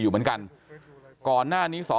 อยู่เหมือนกันก่อนหน้านี้สอ